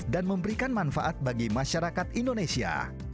dan memberikan manfaat bagi masyarakat indonesia